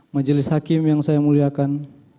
dan kejelis hakim yang saya muliakan